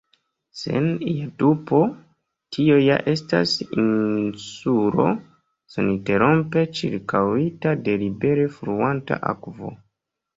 Sen ia dubo, tio ja estas insulo, seninterrompe ĉirkaŭita de libere fluanta akvo.